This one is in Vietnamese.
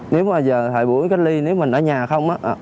nếu mà giờ thời buổi cách ly nếu mình ở nhà không